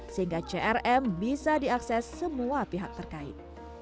sehingga crm bisa diakses semua pihak terkait